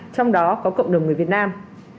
trong đó có cộng đồng người việt nam